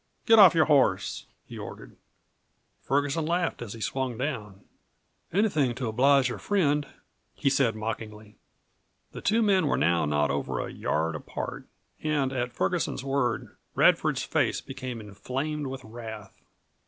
"Get off your horse," he ordered. Ferguson laughed as he swung down. "Anything to oblige a friend," he said, mockingly. The two men were now not over a yard apart, and at Ferguson's word Radford's face became inflamed with wrath.